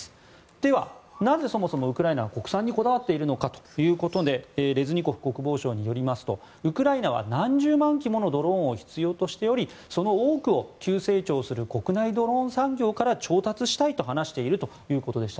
では、なぜそもそもウクライナは国産にこだわっているのかということでレズニコフ国防相によりますとウクライナは何十万機ものドローンを必要としており、その多くを急成長する国内ドローン産業から調達したいと話しているということでした。